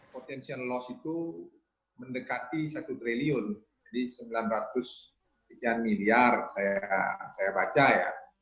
potensi penyakit itu mendekati satu triliun jadi sembilan ratus jutaan miliar saya baca ya